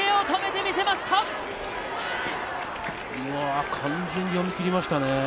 完全に読み切りましたね。